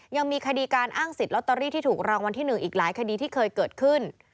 ยังมีคดีการอ้างสิทธิลอตเตอรี่ที่ถูกรางวัลที่๑อีกหลายคดีที่เคยเกิดขึ้น